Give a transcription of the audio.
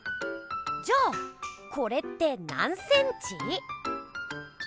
じゃあこれって何ｃｍ？